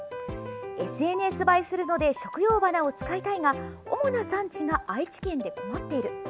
ＳＮＳ映えするので食用花を使いたいが主な産地が愛知県で困っている。